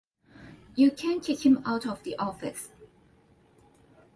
You can't kick him out of the office.